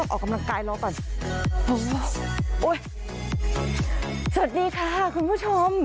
ตกออกกำลังกายรอต่ำสวัสดีค่ะคุณผู้ชม